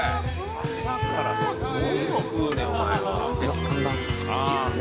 朝からすごいの食うねお前は。